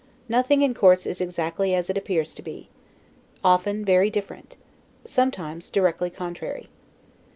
Nothing in courts is exactly as it appears to be; often very different; sometimes directly contrary.